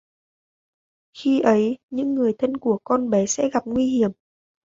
khi ấy những người thân của con bé sẽ gặp nguy hiểm